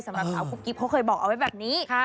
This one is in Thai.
สำหรับสาวกุ๊กกิ๊บเขาเคยบอกเอาไว้แบบนี้